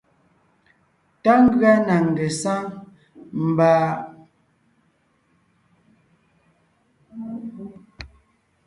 Tá ngʉa na ngesáŋ mba am kqm tem jú.